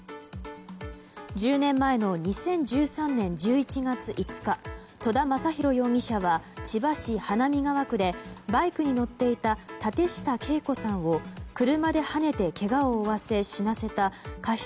１０年前の２０１３年１１月５日戸田昌宏容疑者は千葉市花見川区でバイクに乗っていた舘下敬子さんを車ではねてけがを負わせ死なせた過失